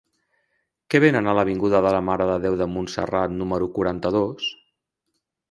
Què venen a l'avinguda de la Mare de Déu de Montserrat número quaranta-dos?